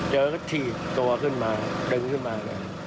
เจอก็ฉีกตัวขึ้นมาดึงขึ้นมา